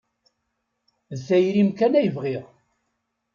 D tayri-m kan ay bɣiɣ.